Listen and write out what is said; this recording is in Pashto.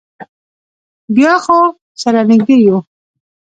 بیا خو سره نږدې یو.